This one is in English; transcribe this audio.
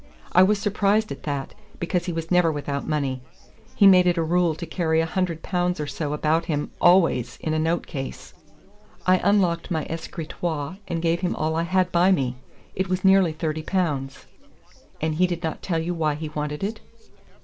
I was surprised at that, because he was never without money; he made it a rule to carry a hundred pounds or so about him always in a note case. I unlocked my escritoire, and gave him all I had by me. It was nearly thirty pounds." "And he did not tell you why he wanted it?"